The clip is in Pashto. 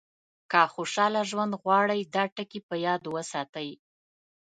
که خوشاله ژوند غواړئ دا ټکي په یاد وساتئ.